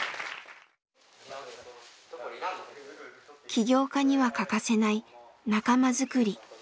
起業家には欠かせない「仲間づくり」。